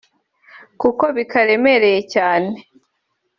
kuko kibaremereye cyane